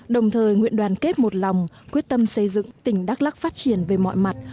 đồng thời nguyện đoàn kết một lòng quyết tâm xây dựng tỉnh đắk lắc phát triển về mọi mặt